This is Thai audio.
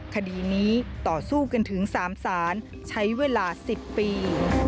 คดีนี้ต่อสู้กันถึง๓ศาลใช้เวลา๑๐ปี